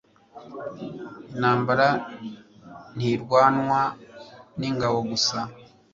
intambara ntirwanwa n'ingabo gusa